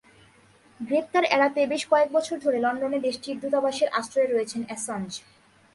গ্রেপ্তার এড়াতে বেশ কয়েক বছর ধরে লন্ডনে দেশটির দূতাবাসের আশ্রয়ে রয়েছেন অ্যাসাঞ্জ।